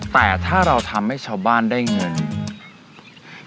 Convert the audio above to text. แต่ถ้าเราทำให้ชาวบ้านได้เงิน